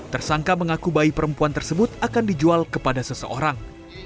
tersangka mengaku bayi perempuan tersebut akan dijual kepada seseorang